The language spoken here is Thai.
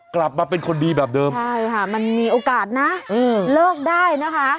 กลับมาเป็นคนดีแบบเดิมใช่ค่ะมันมีโอกาสนะเลิกได้นะคะ